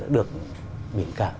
được biển cảng